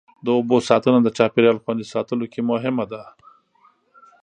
د اوبو ساتنه د چاپېریال خوندي ساتلو کې مهمه ده.